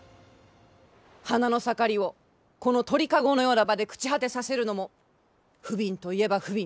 花の盛りをこの鳥籠のような場で朽ち果てさせるのも不憫といえば不憫。